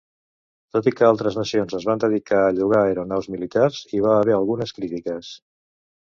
Tot i que altres nacions es van dedicar a llogar aeronaus militars, hi va haver algunes crítiques.